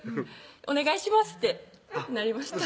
「お願いします」ってなりました